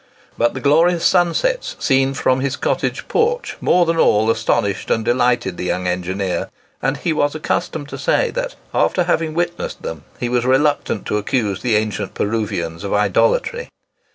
But the glorious sunsets seen from his cottage porch more than all astonished and delighted the young engineer; and he was accustomed to say that, after having witnessed them, he was reluctant to accuse the ancient Peruvians of idolatry.